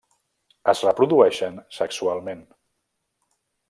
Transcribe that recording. Es reprodueixen sexualment.